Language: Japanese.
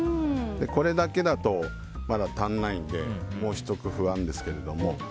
これだけだとまだ足らないのでもうひと工夫あるんですけども。